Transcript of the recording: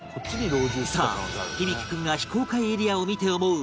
さあ響大君が非公開エリアを見て思う